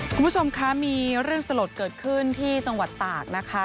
คุณผู้ชมคะมีเรื่องสลดเกิดขึ้นที่จังหวัดตากนะคะ